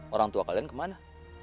orang tua kalian kemana